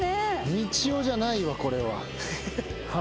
みちおじゃないわこれは。